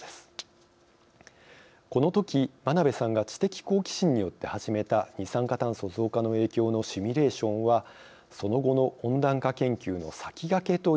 この時真鍋さんが知的好奇心によって始めた二酸化炭素増加の影響のシミュレーションはその後の温暖化研究の先駆けと言えるものになったのです。